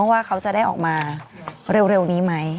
ว่าเขาจะได้ออกมาเร็วนี้ไหม